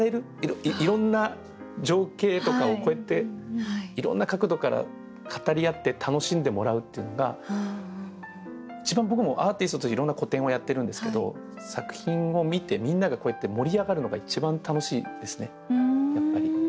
いろんな情景とかをこうやっていろんな角度から語り合って楽しんでもらうっていうのが一番僕もアーティストといろんな個展をやってるんですけど作品を見てみんながこうやって盛り上がるのが一番楽しいですねやっぱり。